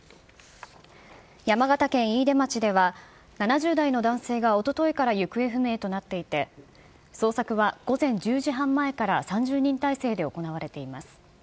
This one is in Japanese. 山形県飯豊町では、７０代の男性がおとといから行方不明となっていて、捜索は午前１０時半前から３０人態勢で行われています。